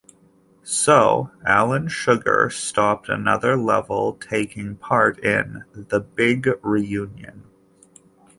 So Alan Sugar stopped Another Level taking part in "The Big Reunion".